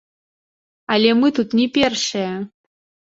Але мы тут не першыя!